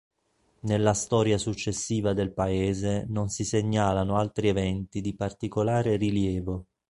Nella storia successiva del paese non si segnalano altri eventi di particolare rilievo.